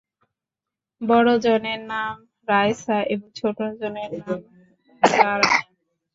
বড়জনের নাম রায়ছা এবং ছোট জনের নাম যারাতা।